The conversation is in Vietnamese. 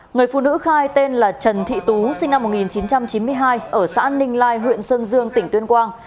người phụ nữ khai tên là trần thị tú sinh năm một nghìn chín trăm chín mươi hai ở xã ninh lai huyện sơn dương tỉnh tuyên quang